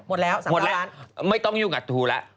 หมดแล้ว๓๐๐๐๐๐๐บาทหมดแล้วไม่ต้องยุ่งกับทรูแล้ว